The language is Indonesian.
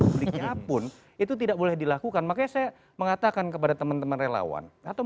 publiknya pun itu tidak boleh dilakukan makanya saya mengatakan kepada teman teman relawan atau